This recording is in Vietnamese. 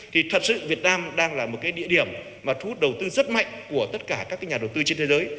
thì thật sự việt nam đang là một cái địa điểm mà thu hút đầu tư rất mạnh của tất cả các nhà đầu tư trên thế giới